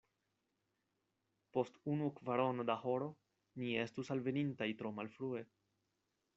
Post unu kvarono da horo, ni estus alvenintaj tro malfrue.